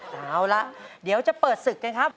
เอาละเดี๋ยวจะเปิดศึกกันครับ